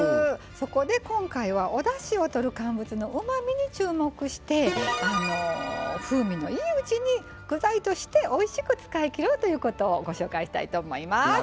そこで今回はおだしをとる乾物のうまみに注目して風味のいいうちに具材としておいしく使いきるということをご紹介したいと思います。